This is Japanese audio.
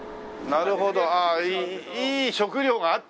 なるほどね。